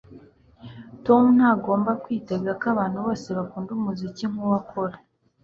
Tom ntagomba kwitega ko abantu bose bakunda umuziki nkuwo akora